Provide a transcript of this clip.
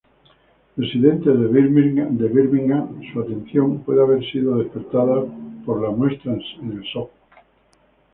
Residente de Birmingham, su atención puede haber sido despertada por la muestra en Soho.